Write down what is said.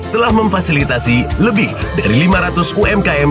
telah memfasilitasi lebih dari lima ratus umkm